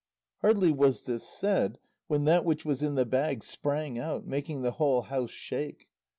Hardly was this said when that which was in the bag sprang out, making the whole house shake.